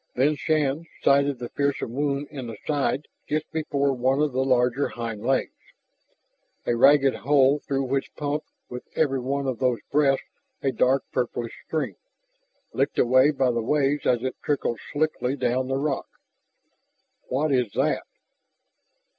Then Shann sighted the fearsome wound in the side just before one of the larger hind legs, a ragged hole through which pumped with every one of those breaths a dark purplish stream, licked away by the waves as it trickled slickly down the rock. "What is that?"